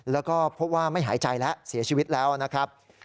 แล้วก็พบว่าไม่หายใจแล้วเสียชีวิตแล้วนะครับ